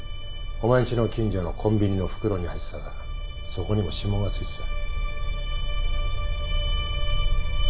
お前んちの近所のコンビニの袋に入ってたがそこにも指紋がついてた。